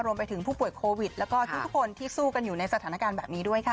รวมไปถึงผู้ป่วยโควิดแล้วก็ทุกคนที่สู้กันอยู่ในสถานการณ์แบบนี้ด้วยค่ะ